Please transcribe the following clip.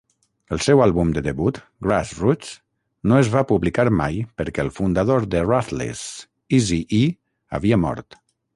El seu àlbum de debut, "Grass Roots", no es va publicar mai perquè el fundador de Ruthless Eazy-E havia mort.